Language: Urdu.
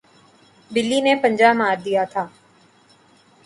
بلی نے پنجہ مار دیا تھا